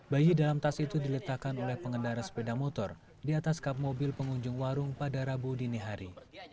bayi dalam tas itu diletakkan oleh pengendara sepeda motor di atas kap mobil pengunjung warung pada rabu dini hari